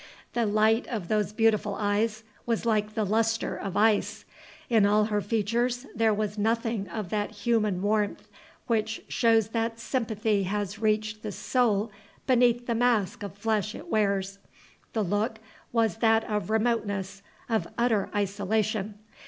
The light of those beautiful eyes was like the lustre of ice; in all her features there was nothing of that human warmth which shows that sympathy has reached the soul beneath the mask of flesh it wears. The look was that of remoteness, of utter isolation.